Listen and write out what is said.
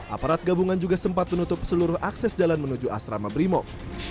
aparat gabungan juga sempat menutup seluruh akses jalan menuju asrama brimob